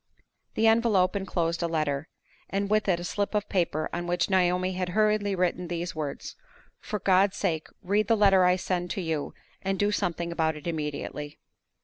The envelope inclosed a letter, and with it a slip of paper on which Naomi had hurriedly written these words: "For God's sake, read the letter I send to you, and do something about it immediately!"